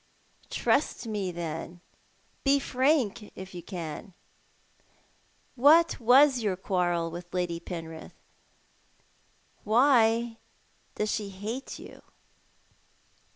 " Trust me, then. Bo frank, if you can. What was your quarrel witli Lady Penrith ? Why does she hate you